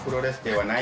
はい。